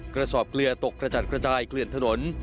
กระสอบเกลือตกกระจัดกระจายเกลื่อนถนน